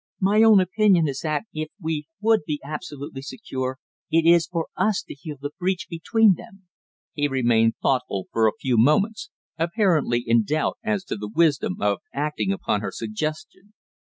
My own opinion is that if we would be absolutely secure it is for us to heal the breach between them." He remained thoughtful for a few moments, apparently in doubt as to the wisdom of acting upon her suggestion.